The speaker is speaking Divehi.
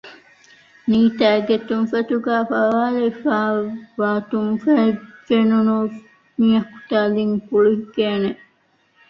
ނީތާގެ ތުންފަތުގައި ފަވާލެވިފައިވާ ތުންފަތް ފެނުނު މީހަކު ތަލިން ކުޅުހިކޭނެ